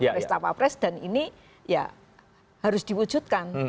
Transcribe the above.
pemilihan tapapres dan ini ya harus diwujudkan